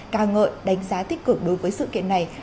ca ngợi đánh giá tích cực đối với sự kiện này